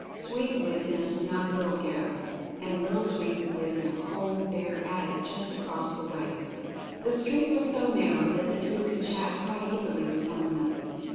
Sweep lived in a snug little garret, and Little Sweep lived in a cold bare attic just across the way. The street was so narrow that the two could chat quite easily with one another.